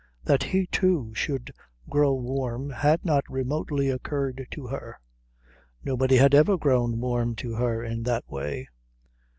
That he, too, should grow warm had not remotely occurred to her. Nobody had ever grown warm to her in that way.